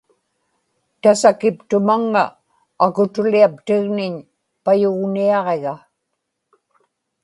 tasakiptumaŋŋa akutuliaptigniñ payugniaġiga